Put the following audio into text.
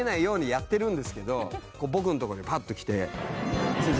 僕のところにパッと来て。